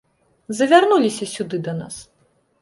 Завярнуліся сюды да нас.